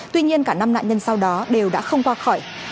tuy nhiên cả năm nạn nhân sau đó đều đã không qua khỏi